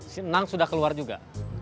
senang sudah keluar juga